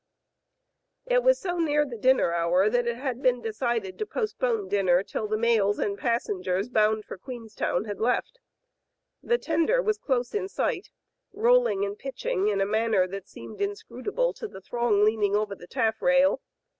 It was so near the dinner hour that it had been Digitized by Google H, PV. LUCY. 249 decided to postpone dinner till the mails and passengers bound for Queenstown had left. The tender was close in sight, rolling and pitching in a manner that seemed inscrutable to the throng leaning over the taffrail.